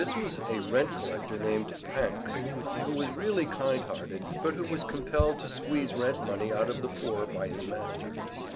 This was a rent collector named Pancks, who was really kind hearted, but who was compelled to squeeze rent money out of the poor by his master.